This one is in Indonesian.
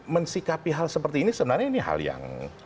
mensikapi hal seperti ini sebenarnya ini hal yang